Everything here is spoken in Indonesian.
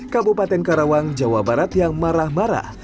kabupaten karawang jawa barat yang marah marah